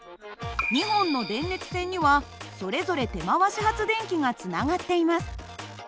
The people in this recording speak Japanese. ２本の電熱線にはそれぞれ手回し発電機がつながっています。